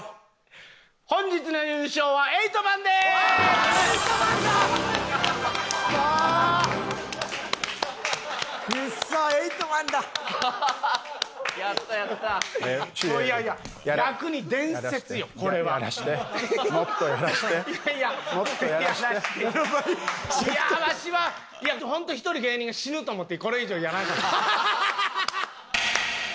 本当１人芸人が死ぬと思ってこれ以上やらんかった。